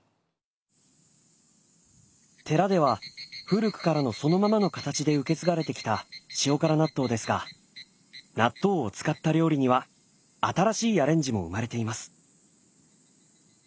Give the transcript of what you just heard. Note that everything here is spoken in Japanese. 寺では古くからのそのままの形で受け継がれてきた塩辛納豆ですが納豆を使った料理には新しいアレンジも生まれています。